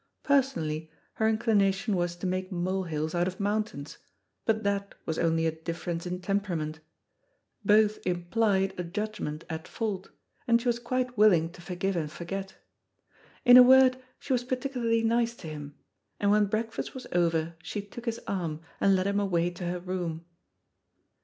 Personally her inclination was to make molehills out of mountains, but that was only a difference in temperament; both implied a judgment at fault, and she was quite willing to forgive and forget. In a word, she was particularly nice to him, and when breakfast was over she took his arm, and led him away to her room.